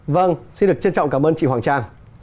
vâng xin được trân trọng cảm ơn chị hoàng trang